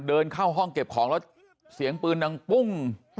เดินเข้าห้องเก็บของแล้วเสียงปืนดังปุ้ง